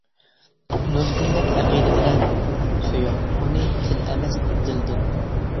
نۇزۇگۇمدەك ئەقىدە بىلەن، سۆيۈڭ ئۇنى تىل ئەمەس دىلدىن.